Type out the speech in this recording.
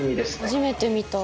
初めて見た。